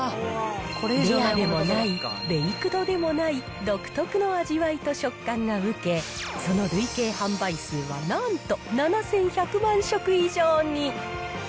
レアでもない、ベイクドでもない、独特の味わいと食感が受け、その累計販売数はなんと７１００万食以上に。